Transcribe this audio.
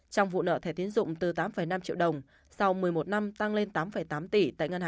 trong vụ nợ thẻ tiến dụng từ tám năm triệu đồng